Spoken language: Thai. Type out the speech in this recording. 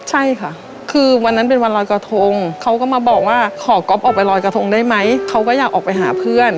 ใช่ค่ะคือวันนั้นเป็นวันรอยกระทงเขาก็มาบอกว่าขอก๊อฟออกไปลอยกระทงได้ไหมเขาก็อยากออกไปหาเพื่อน